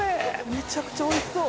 めちゃくちゃ美味しそう。